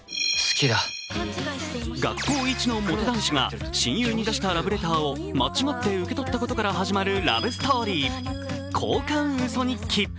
学校一のモテ男子が、親友にだしたラブレターを間違って受け取ったことから始まるラブストーリー「交換ウソ日記」。